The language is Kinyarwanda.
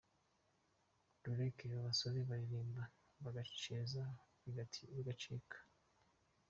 Derrek, aba basore bararirimba bagaceza bigacika.